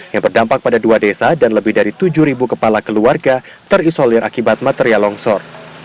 yang berdampak pada dua desa dan lebih dari tujuh kepala keluarga terisolir akibat material longsor